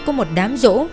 có một đám rỗ